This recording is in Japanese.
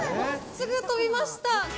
すぐ飛びました。